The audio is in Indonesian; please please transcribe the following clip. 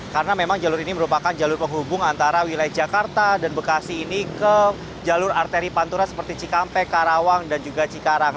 karena memang jalur ini merupakan jalur penghubung antara wilayah jakarta dan bekasi ini ke jalur arteri panturan seperti cikampek karawang dan juga cikarang